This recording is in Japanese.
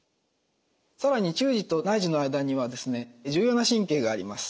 更に中耳と内耳の間には重要な神経があります。